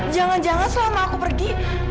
jangan jangan selama aku pergi